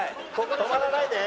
止まらないで。